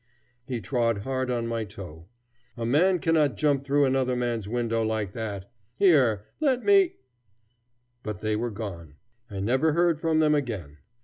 He trod hard on my toe. "A man cannot jump through another man's window like that. Here, let me " But they were gone. I never heard from them again.